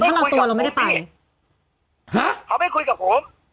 ถ้าเราตัวเราไม่ได้ไปฮะเขาไปคุยกับผม